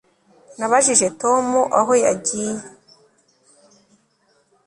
Nabajije Tom aho yagiye